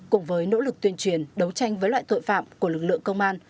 cùng với nỗ lực tuyên truyền đấu tranh với loại tội phạm của lực lượng công an